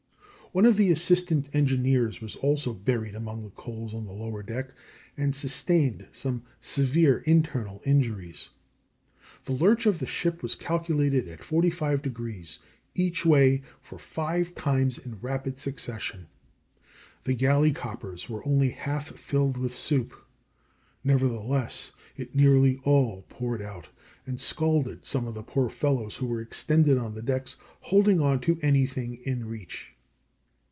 One of the assistant engineers was also buried among the coals on the lower deck, and sustained some severe internal injuries. The lurch of the ship was calculated at forty five degrees each way for five times in rapid succession. The galley coppers were only half filled with soup; nevertheless, it nearly all poured out, and scalded some of the poor fellows who were extended on the decks, holding on to anything in reach.